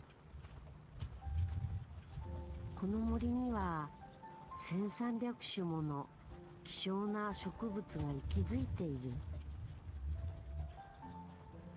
この森には１，３００種もの希少な植物が息づいている。